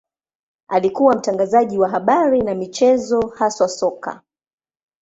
Alikuwa mtangazaji wa habari na michezo, haswa soka.